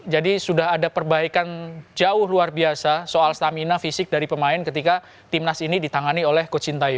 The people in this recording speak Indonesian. jadi sudah ada perbaikan jauh luar biasa soal stamina fisik dari pemain ketika tim nas ini ditangani oleh coach sintayo